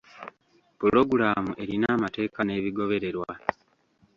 Pulogulaamu erina amateeka n'ebigobererwa.